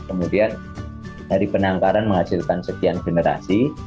kemudian dari penangkaran menghasilkan sekian generasi